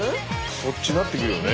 そっちなってくるよね？